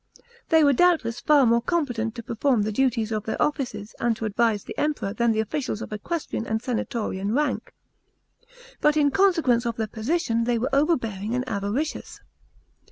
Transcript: They were doubtless far more competent to perform the duties of their offices and to advise the Emperor than the officials of equestrian and sen.itorian rank. 41 48 A.D. MESSALINA. 245 But in consequence of their position they were overbearing and avaricious.